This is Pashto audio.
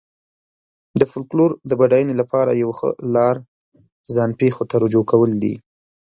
د فولکلور د بډاینې لپاره یوه ښه لار ځان پېښو ته رجوع کول دي.